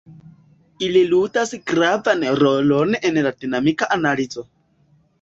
Ili ludas gravan rolon en la dinamika analizo.